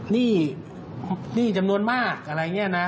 หนี้หนี้จำนวนมากอะไรอย่างนี้นะ